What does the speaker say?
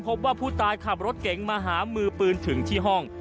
พบว่าผู้ตายขับรถเก๋งมาหามือปืนถึงที่ห้อง